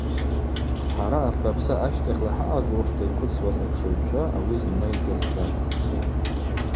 Хӏара апрапса ащтахьла хӏаъазлушта йхъвыцуаз апшыгӏвчва ауи зынла йджьарщатӏ.